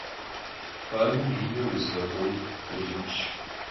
Khanım yi ne vuêzığebor bılımş.